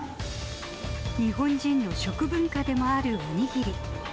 日本人の食文化でもあるお握り。